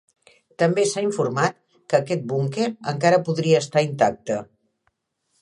També s'ha informat que aquest búnquer encara podria estar intacte.